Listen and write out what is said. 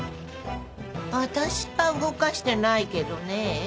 私は動かしてないけどねえ。